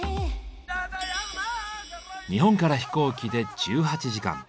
日本から飛行機で１８時間。